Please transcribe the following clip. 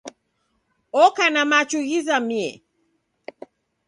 Oka na machu ghizamie.